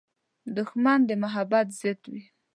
دښمن د محبت ضد وي